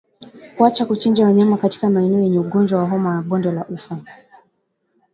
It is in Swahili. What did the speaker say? Kuacha kuchinja wanyama katika maeneo yenye ugonjwa wa homa ya bonde la ufa